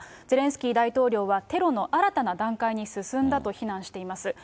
ゼレンスキー大統領は、テロの新たな段階に進んだと非難しています。